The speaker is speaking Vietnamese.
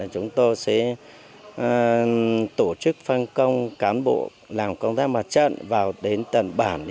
chúng tôi sẽ tổ chức phân công cán bộ làm công tác mặt trận vào đến tận bản